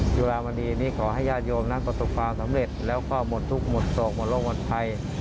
จุลามณีนี้ขอให้ญาติโยมนั้นประสบความสำเร็จแล้วก็หมดทุกข์หมดโศกหมดโรคหมดภัย